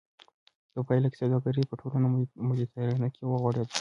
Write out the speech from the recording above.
په پایله کې سوداګري په ټوله مدیترانه کې وغوړېده